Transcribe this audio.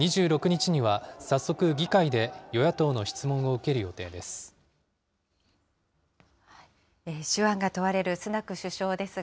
２６日には早速、議会で与野党の質問を受ける予定です。